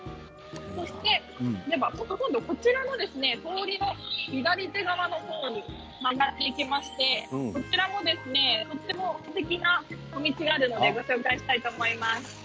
今度はこちらの通りの左手側の方に曲がっていきましてこちらも、とてもすてきな道があるのでご紹介したと思います。